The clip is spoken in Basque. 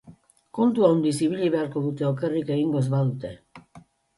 Kontu handiz ibili beharko dute okerrik egingo ez badute.